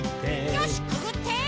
よしくぐって！